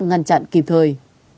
ngăn chặn kịp thời